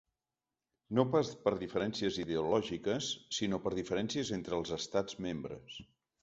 No pas per diferències ideològiques, sinó per diferències entre els estats membres.